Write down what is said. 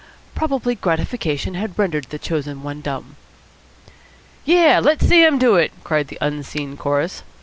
Probably gratification had rendered the chosen one dumb. "Yes, let Sam do it!" cried the unseen chorus.